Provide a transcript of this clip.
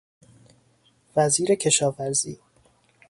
وزیر کشاورزی